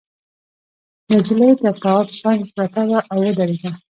نجلۍ تر تواب څنگ پرته وه او ودرېده.